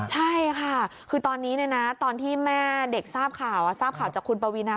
ใช่ค่ะคือตอนนี้ตอนที่แม่เด็กทราบข่าวทราบข่าวจากคุณปวีนา